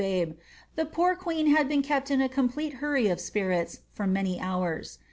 339 btbe, the poor queen had been kept in a complete hurry of spirits for many hours.